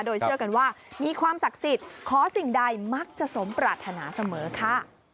โดยเชื่อกันว่ามีความศักดิ์สิทธิ์ขอสิ่งใดมักจะสมปรารถนาเสมอค่ะ